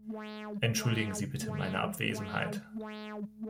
Entschuldigen Sie bitte meine Abwesenheit.